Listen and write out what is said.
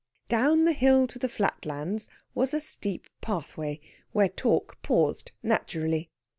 Down the hill to the flatlands was a steep pathway, where talk paused naturally.